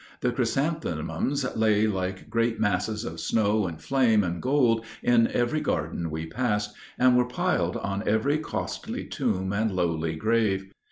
The chrysanthemums lay like great masses of snow and flame and gold in every garden we passed, and were piled on every costly tomb and lowly grave.